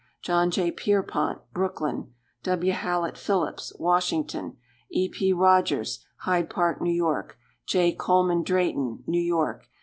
John J. Pierrepont, Brooklyn. W. Hallett Phillips, Washington. E. P. Rogers, Hyde Park, N. Y. J. Coleman Drayton, New York.